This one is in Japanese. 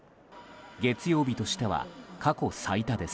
月曜日としては過去最多です。